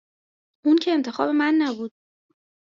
اون که انتخاب من نبود